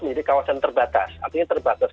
menjadi kawasan terbatas artinya terbatas